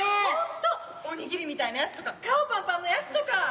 おにぎりみたいなやつとか顔パンパンのやつとか！